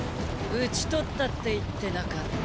討ち取ったって言ってなかった？